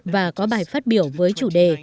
và có bài phát biểu với chủ đề